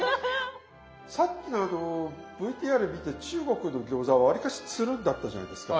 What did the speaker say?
さっきのＶＴＲ見て中国の餃子はわりかしつるんだったじゃないですか。